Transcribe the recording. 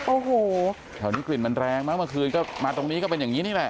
โอ้โหแถวนี้กลิ่นมันแรงมั้งเมื่อคืนก็มาตรงนี้ก็เป็นอย่างนี้นี่แหละ